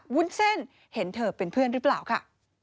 วุ้นเส้นเห็นเธอเป็นเพื่อนหรือเปล่าค่ะ